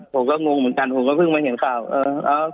ผมก็งงเหมือนกันผมก็เพิ่งมาเห็นข่าว